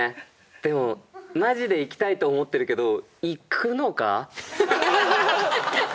でもマジで行きたいと思ってるけどハハハハ！